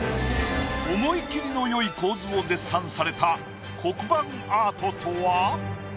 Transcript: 思い切りのよい構図を絶賛された黒板アートとは？